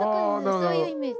そういうイメージ。